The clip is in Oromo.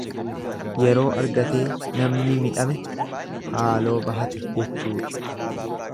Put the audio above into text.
Yeroo argatee namni midhame haaloo bahate jechuudha.